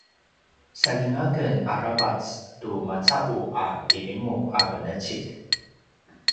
saljinga aken aravac tu maca’u a kirimu a venecik